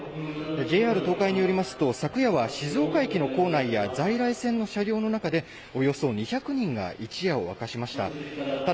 ＪＲ東海によりますと、昨夜は静岡駅の構内や在来線の車両の中で、およそ２００人が一夜を明かしました。